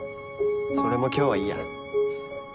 それも今日はいいや。